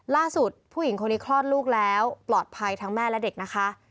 ผู้หญิงคนนี้คลอดลูกแล้วปลอดภัยทั้งแม่และเด็กนะคะ